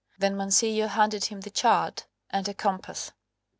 Then Mancillo handed him the chart and a compass.